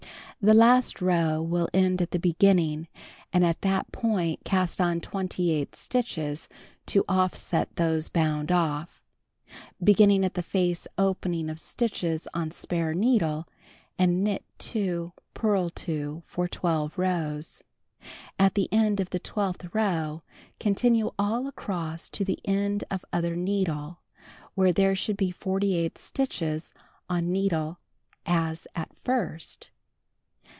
The last row will end at the opening and at that point cast on 28 stitches to offset those bound off. Begin at the face opening of stitches on spare needle and knit 2, purl 2 for 12 rows. At the end of the twelfth row continue all across to the end of other needle, when there should be 48 stitches on needle as at first.